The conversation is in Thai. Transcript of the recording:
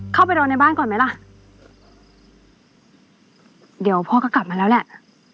เข้าไปนอนในบ้านก่อนไหมล่ะเดี๋ยวพ่อก็กลับมาแล้วแหละ